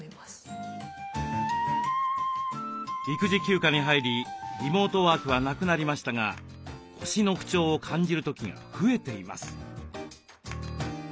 育児休暇に入りリモートワークはなくなりましたが腰の不調を感じる時が増えています。